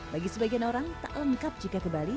bagi sebagian orang tak lengkap jika ke bali